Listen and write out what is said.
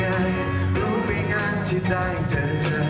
อีกเพลงหนึ่งครับนี้ให้สนสารเฉพาะเลย